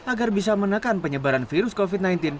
agar bisa menekan penyebaran virus covid sembilan belas